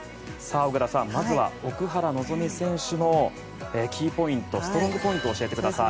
小椋さん、まずは奥原希望選手のキーポイントストロングポイントを教えてください。